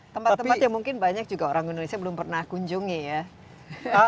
tempat tempat yang mungkin banyak juga orang indonesia belum pernah kunjungi ya